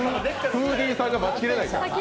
フーディーさんが待ちきれない。